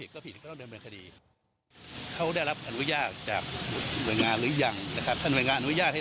ก็ผิดตามผลบุญมาค่ะ